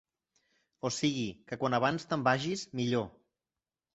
O sigui que quan abans te'n vagis, millor.